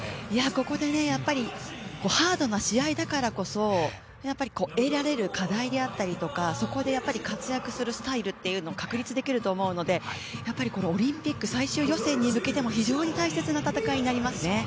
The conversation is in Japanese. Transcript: ここでハードな試合だからこそ得られる課題であったり、そこで活躍するスタイルっていうのを確立できると思うのでオリンピック最終予選に向けても非常に大切な戦いになりますね。